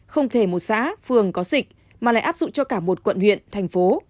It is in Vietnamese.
không thể một xã phường có dịch mà lại áp dụng cho cả một quận huyện thành phố